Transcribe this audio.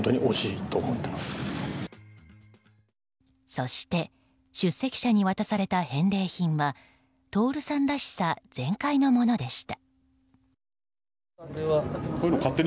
そして出席者に渡された返礼品は徹さんらしさ全開のものでした。